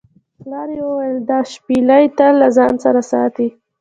پلار یې وویل دا شپیلۍ تل له ځان سره ساته.